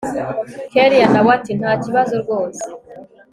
kellia nawe ati ntakibazo rwose